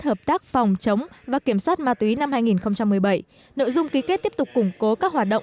hợp tác phòng chống và kiểm soát ma túy năm hai nghìn một mươi bảy nội dung ký kết tiếp tục củng cố các hoạt động